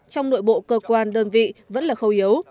trong nội bộ cơ quan đơn vị vẫn là khâu yếu